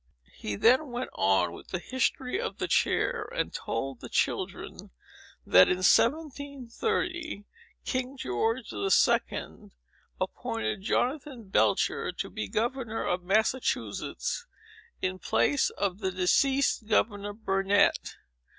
He then went on with the history of the chair, and told the children, that, in 1730, King George the Second appointed Jonathan Belcher to be governor of Massachusetts, in place of the deceased Governor Burnet.